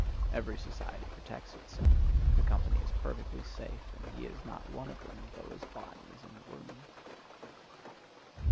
Every society protects itself. The company is perfectly safe, and he is not one of them, though his body is in the room.